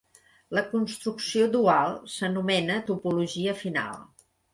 La construcció dual s'anomena topologia final.